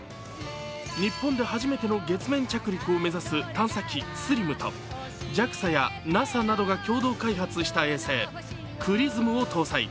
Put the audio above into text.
日本で初めての月面着陸を目指す探査機ＳＬＩＭとＪＡＸＡやＮＡＳＡなどが共同開発した衛星ＸＲＩＳＭを搭載。